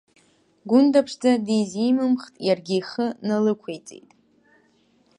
Гәында-ԥшӡа дизимымхит, иаргьы ихы налықәиҵеит.